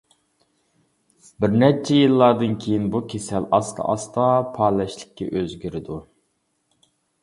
بىر نەچچە يىللاردىن كېيىن بۇ كېسەل ئاستا-ئاستا پالەچلىككە ئۆزگىرىدۇ.